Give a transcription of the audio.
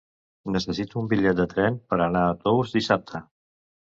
Necessito un bitllet de tren per anar a Tous dissabte.